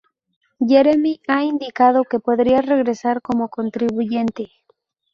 Jeremy ha indicado que podría regresar como contribuyente.